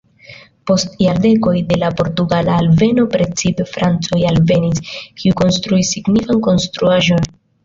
Post jardekoj de la portugala alveno precipe francoj alvenis, kiuj konstruis signifan konstruaĵon.